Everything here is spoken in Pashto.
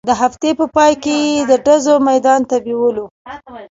د هفتې په پاى کښې يې د ډزو ميدان ته بېولو.